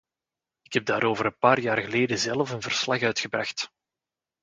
Ik heb daarover een paar jaar geleden zelf een verslag uitgebracht.